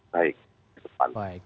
baik ke depan